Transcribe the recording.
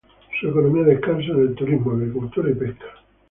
Su economía descansa en el turismo, agricultura y pesca.